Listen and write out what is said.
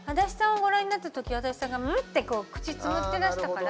ご覧になった時足立さんが「むっ」って口をつむってらしたから。